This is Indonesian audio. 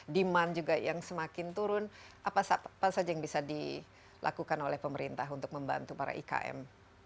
demand juga yang semakin turun apa saja yang bisa dilakukan oleh pemerintah untuk membantu para ikm